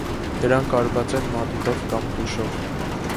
Դրանք արված են մատիտով կամ տուշով։